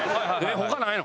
他ないの？